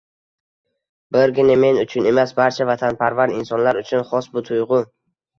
Birgina men uchun emas, barcha vatanparvar insonlar uchun xos bu tuyg‘u